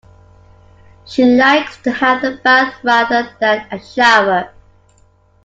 She likes to have a bath rather than a shower